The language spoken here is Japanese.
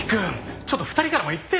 ちょっと２人からも言ってよ。